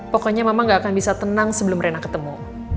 pokoknya mama gak akan bisa tenang sebelum rena ketemu